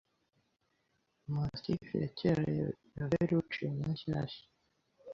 Mastiff ya kera ya Verrucchio na shyashya